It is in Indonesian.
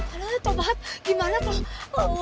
aduh tau banget gimana tau